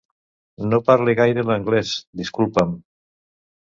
No parle gaire l'anglés, disculpa'm.